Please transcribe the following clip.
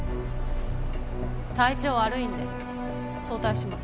体調悪いんで、早退します。